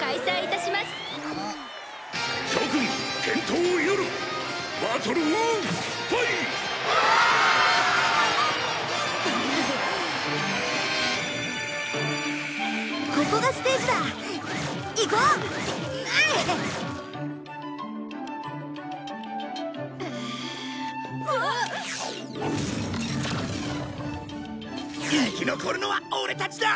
生き残るのはオレたちだ！